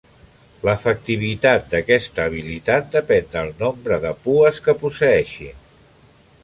L'efectivitat d'aquesta habilitat depèn del nombre de pues que posseeixin.